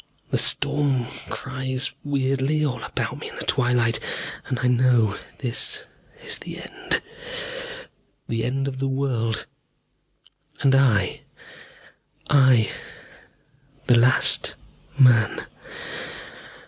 The storm cries weirdly all about me in the twilight, and I know this is the end. The end of the world. And I I, the last man....